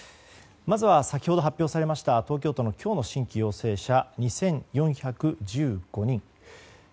まずは先ほど発表された東京都の今日の新規陽性者。